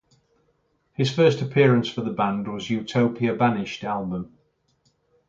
His first appearance for the band was "Utopia Banished" album.